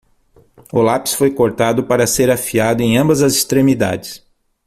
O lápis foi cortado para ser afiado em ambas as extremidades.